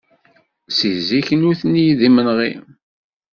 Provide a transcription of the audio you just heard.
Seg zik nutni d imenɣi.